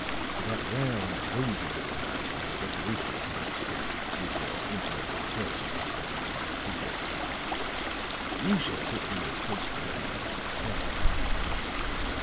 "That round, rosy little man with the decoration upon his coat is your interesting person," suggested he. "We shall put you as close to him as we can."